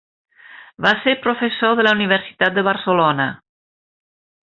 Va ser professor de la Universitat de Barcelona.